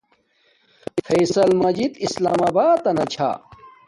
فصیل مجیت اسلام آباتانہ چھی